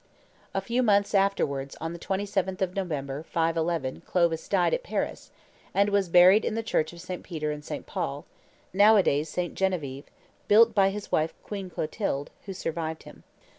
A few months afterwards, on the 27th of November, 511, Clovis died at Paris, and was buried in the church of St. Peter and St. Paul, nowadays St. Genevieve, built by his wife Queen Clotilde, who survived him.